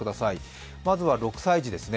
まずは、６歳児です。